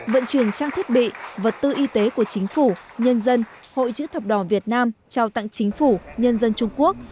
vận chuyển trang thiết bị vật tư y tế của chính phủ nhân dân hội chữ thập đỏ việt nam trao tặng chính phủ nhân dân trung quốc